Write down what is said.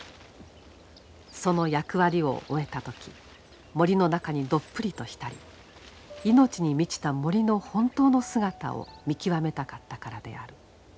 その役割を終えた時森の中にどっぷりとひたり命に満ちた森の本当の姿を見極めたかったからである。